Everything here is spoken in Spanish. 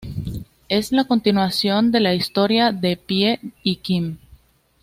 Es la continuación de la historia de Pie y Kim.